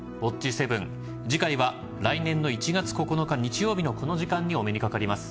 ７』次回は来年の１月９日日曜日のこの時間にお目にかかります。